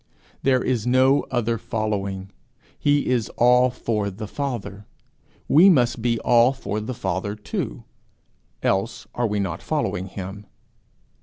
There is no other following. He is all for the Father; we must be all for the Father too, else are we not following him.